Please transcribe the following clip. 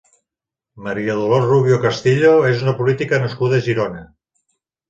Maria Dolors Rubio Castillo és una política nascuda a Girona.